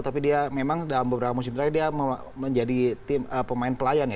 tapi dia memang dalam beberapa musim terakhir dia menjadi pemain pelayan ya